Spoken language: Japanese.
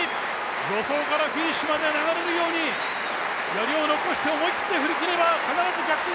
助走からフィニッシュまで流れるようにやりを残して走れば必ず逆転！